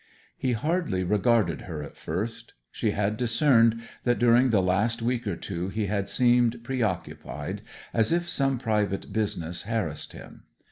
He hardly regarded her at first. She had discerned that during the last week or two he had seemed preoccupied, as if some private business harassed him.